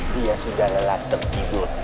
dia sudah lelah terkidur